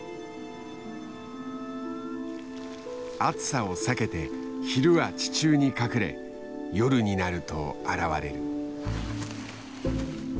暑さを避けて昼は地中に隠れ夜になると現れる。